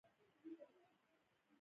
د کار ارزیابي څه ګټه لري؟